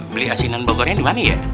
beli asinan bogornya dimana ya